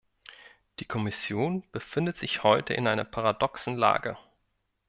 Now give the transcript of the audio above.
Die Kommission befindet sich heute in einer paradoxen Lage.